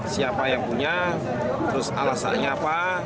siapa yang punya terus alasannya apa